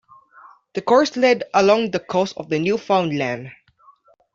The course led along the coast of the new found land.